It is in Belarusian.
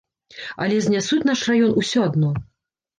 Але знясуць наш раён усё адно.